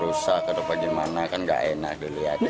usianya berapa tahun pak